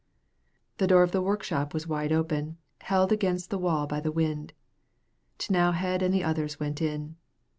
The door of the workshop was wide open, held against the wall by the wind. T'nowhead and the others went in.